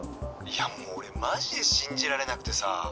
「いやもう俺マジで信じられなくてさ」